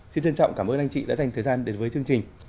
xin trân trọng cảm ơn anh chị đã dành thời gian đến với chương trình